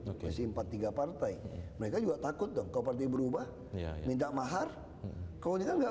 oke simpat tiga partai mereka juga takut kau pergi berubah minta mahar kalau nggak